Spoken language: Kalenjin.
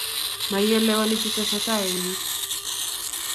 Maielewani che tesetai eng yu?